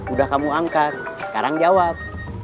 udah kamu angkat sekarang jawab